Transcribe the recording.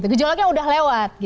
gejolaknya udah lewat